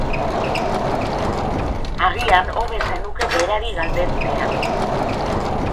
Agian hobe zenuke berari galdetzea.